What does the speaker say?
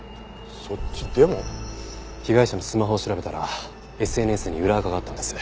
被害者のスマホを調べたらＳＮＳに裏アカがあったんです。